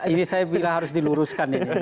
ini saya harus diluruskan